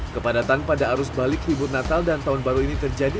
kepadatan pada arus balik libur natal dan tahun baru ini terjadi